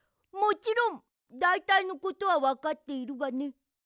もちろんだいたいのことはわかっているがね。